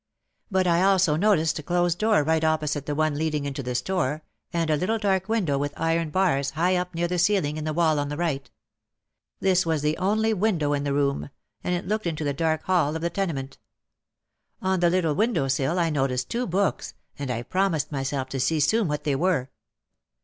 But I also noticed a closed door right opposite the one leading into the store and a little dark window with iron bars high up near the ceiling in the wall on the right. This was the only window in the room, and it looked into the dark hall of the tenement. On the little window sill I noticed two books, and I promised myself to see soon what they were.